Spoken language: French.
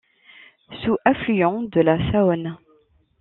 Sous-affluent de la Saône.